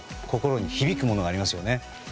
心に響くものがありますよね。